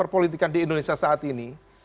perpolitikan di indonesia saat ini